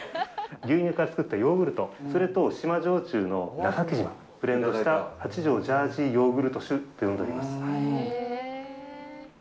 牛乳から作ったヨーグルト、それと島焼酎の「情け嶋」をブレンドした八丈島ジャージーヨーグルト酒と呼んでおります。